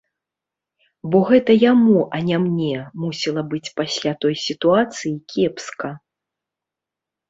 Бо гэта яму, а не мне, мусіла быць пасля той сітуацыі кепска.